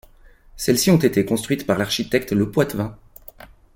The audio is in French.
Celles-ci ont été construites par l'architecte Le Poittevin.